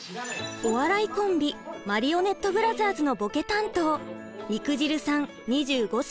お笑いコンビマリオネットブラザーズのぼけ担当肉汁さん２５歳。